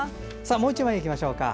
もう１枚、いきましょう。